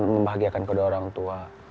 membahagiakan kedua orang tua